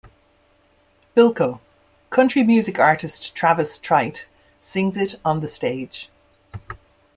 Bilko, Country music artist Travis Tritt sings it on the stage.